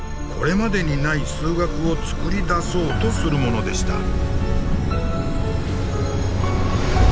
これまでにない数学を作り出そうとするものでした。